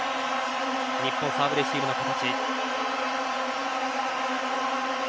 日本サーブレシーブの形。